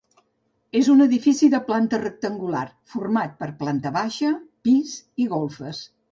És un edifici de planta rectangular, format per planta baixa, pis i golfes.